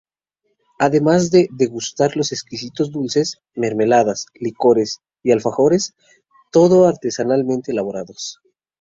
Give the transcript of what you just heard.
Además de degustar los exquisitos dulces, mermeladas, licores y alfajores todo artesanalmente elaborados.